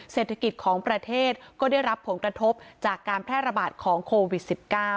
เศรษฐกิจของประเทศก็ได้รับผลกระทบจากการแพร่ระบาดของโควิด๑๙